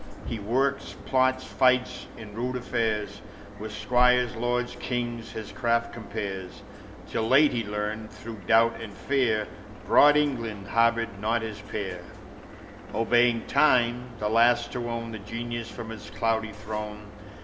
He works, plots, fights, in rude affairs, With squires, lords, kings, his craft compares, Till late he learned, through doubt and fear, Broad England harbored not his peer: Obeying time, the last to own The Genius from its cloudy throne.